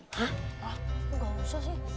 hah gak usah sih